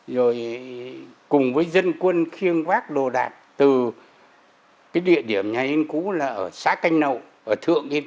rồi cùng với dân quân khiêng quát lô đạt từ địa điểm nhà yên cũ ở xã canh nậu ở thượng yên